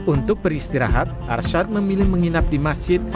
untuk beristirahat arsyad memilih menginap di masjid